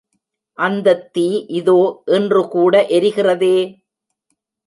அந்தத் தீ இதோ இன்றுகூட எரிகிறதே!